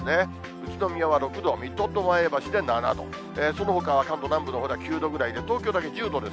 宇都宮は６度、水戸と前橋で７度、そのほかは関東南部のほうでは９度ぐらいで、東京だけ１０度です。